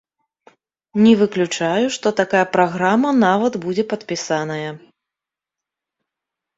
Не выключаю, што такая праграма нават будзе падпісаная.